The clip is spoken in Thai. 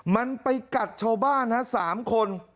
มันไปกัดชาวบ้าน๓คน